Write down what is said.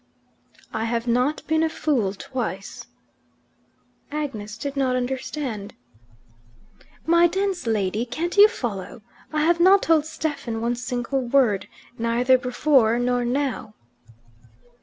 "I have not been a fool twice." Agnes did not understand. "My dense lady, can't you follow? I have not told Stephen one single word, neither before nor now."